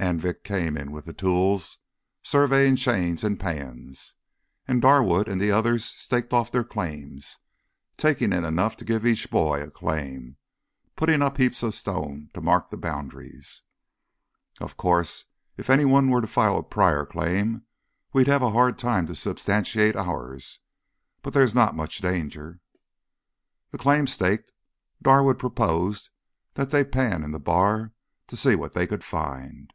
Anvik came in with the tools, surveying chains, and pans, and Darwood and the others staked off their claims, taking in enough to give each boy a claim, putting up heaps of stones to mark the boundaries. "Of course, if anyone else were to file a prior claim we'd have a hard time to substantiate ours. But there's not much danger." The claim staked, Darwood proposed that they pan in the bar to see what they could find.